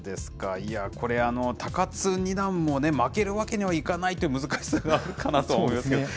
いやー、これ、高津二段もね、負けるわけにはいかないという難しさがあるかなと思いますけど。